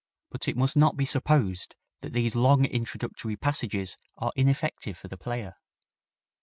But it must not be supposed that these long introductory passages are ineffective for the player.